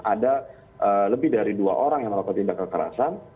ada lebih dari dua orang yang melakukan tindak kekerasan